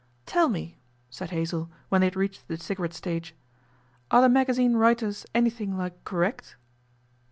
'Tell me,' said Hazell, when they had reached the cigarette stage, 'are the magazine writers anything like correct?